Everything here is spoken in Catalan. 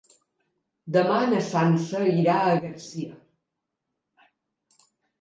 Demà na Sança irà a Garcia.